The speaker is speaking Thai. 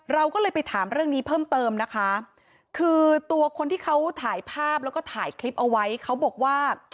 เราก็เลยไปถามเรื่องนี้เพิ่มเติมนะคะคือตัวคนที่เขาถ่ายภาพแล้วก็ถ่ายคลิปเอาไว้เขาบอกว่า